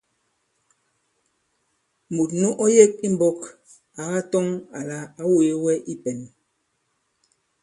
Mùt nu ɔ yek i mbɔ̄k à katɔŋ àlà ǎ wēe wɛ i pɛ̄n.